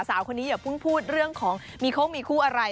สาวคนนี้อย่าเพิ่งพูดเรื่องของมีโค้งมีคู่อะไร